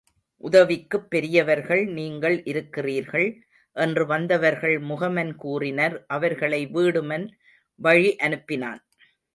உதவிக்குப் பெரியவர்கள் நீங்கள் இருக்கிறீர்கள், என்று வந்தவர்கள் முகமன் கூறினர் அவர்களை வீடுமன் வழி அனுப்பினான்.